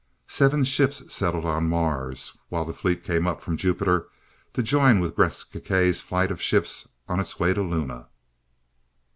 Seven ships settled to Mars, while the fleet came up from Jupiter to join with Gresth Gkae's flight of ships on its way to Luna.